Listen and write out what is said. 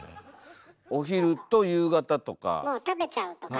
お昼と夕方とか。